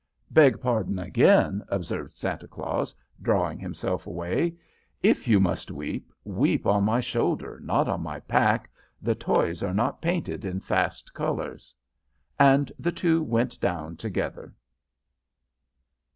"'Beg pardon again,' observed Santa Claus, drawing himself away. 'If you must weep, weep on my shoulder, not on my pack. The toys are not painted in fast colors.' "And the two went down together."